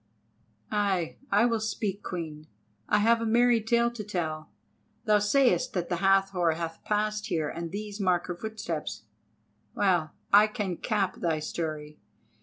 "Ay, I will speak, Queen. I have a merry tale to tell. Thou sayest that the Hathor hath passed here and these mark her footsteps. Well, I can cap thy story.